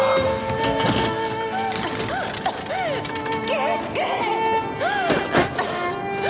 圭介。